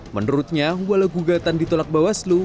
menurutnya walau gugatan ditolak bawaslu